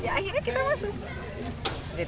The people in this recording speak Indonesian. akhirnya kita masuk